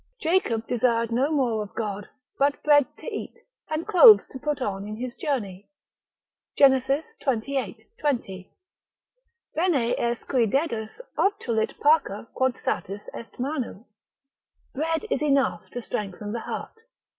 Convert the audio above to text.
Jacob desired no more of God, but bread to eat, and clothes to put on in his journey, Gen. xxviii. 20. Bene est cui deus obtulit Parca quod satis est manu; bread is enough to strengthen the heart.